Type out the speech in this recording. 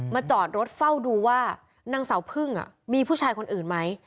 จอดรถเฝ้าดูว่านางสาวพึ่งมีผู้ชายคนอื่นไหม